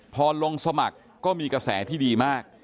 พอลงสมัครก็มีกระแสที่ดีมาก